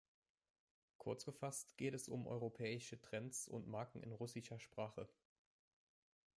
Kurzgefasst, geht es um europäische Trends und Marken in russischer Sprache.